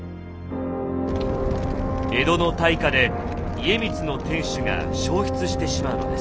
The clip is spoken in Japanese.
江戸の大火で家光の天守が焼失してしまうのです。